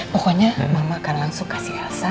pokoknya mama akan langsung kasih rasa